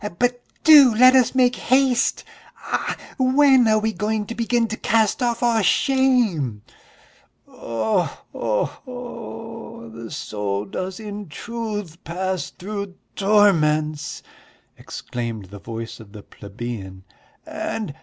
"But do let us make haste! Ah, when are we going to begin to cast off all shame!" "Oh ho ho!... The soul does in truth pass through torments!" exclaimed the voice of the plebeian, "and